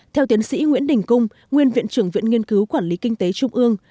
theo tiến sĩ nguyễn đình cung nguyên viện trưởng viện nghiên cứu quản lý kinh tế trung ương